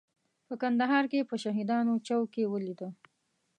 په کندهار کې په شهیدانو چوک کې ولیده.